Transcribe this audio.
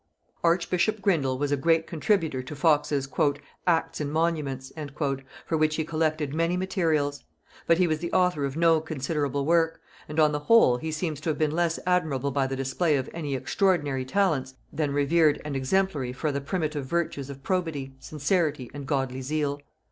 Archbishop Grindal was a great contributor to Fox's "Acts and Monuments," for which he collected many materials; but he was the author of no considerable work, and on the whole he seems to have been less admirable by the display of any extraordinary talents than revered and exemplary for the primitive virtues of probity, sincerity, and godly zeal.